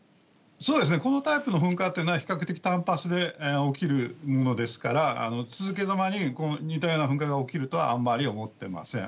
このタイプの噴火というのは、比較的単発で起きるものですから、続けざまに似たような噴火が起きるとはあんまり思ってません。